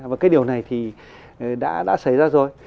và cái điều này thì đã xảy ra rồi